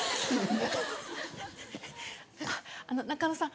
あっあの中野さん